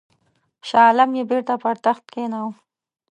شاه عالم یې بیرته پر تخت کښېناوه.